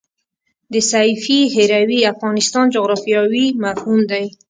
د سیفي هروي افغانستان جغرافیاوي مفهوم دی.